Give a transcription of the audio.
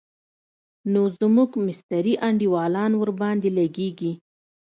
نو زموږ مستري انډيوالان ورباندې لګېږي.